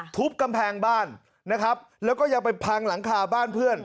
ทุบกำแพงบ้านนะครับแล้วก็ยังไปพังหลังคาบ้านเพื่อน